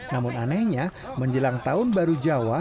namun anehnya menjelang tahun baru jawa